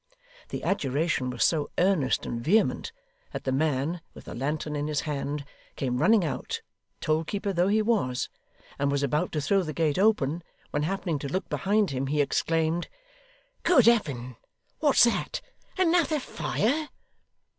The adjuration was so earnest and vehement, that the man, with a lantern in his hand, came running out toll keeper though he was and was about to throw the gate open, when happening to look behind him, he exclaimed, 'Good Heaven, what's that! Another fire!